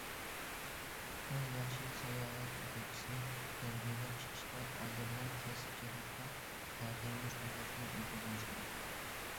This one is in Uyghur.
بىر ياخشى ساياھەت يېتەكچىسىنى تەربىيەلەپ چىقىشتا، ئالدى بىلەن كەسىپ جەھەتتە پەخىرلىنىش تۇيغۇسىنى يېتىلدۈرۈش كېرەك.